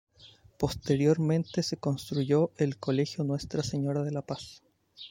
Posteriormente se construyó el Colegio Nuestra Señora de la Paz.